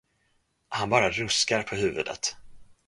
Han bara ruskar på huvudet.